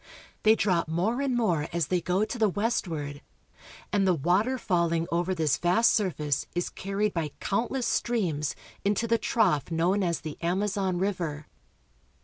They drop more and more as they go to the westward, and the water falling over this vast surface is carried by countless streams into the trough known as the Amazon river.